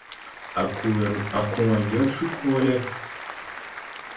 A ko wãy wer cug hoole.